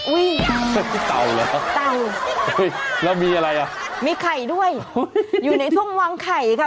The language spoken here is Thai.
ที่เต่าเหรอเต่าแล้วมีอะไรอ่ะมีไข่ด้วยอยู่ในช่วงวางไข่ค่ะ